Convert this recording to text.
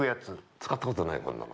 使ったことないこんなの。